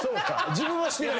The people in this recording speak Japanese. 自分はしてない。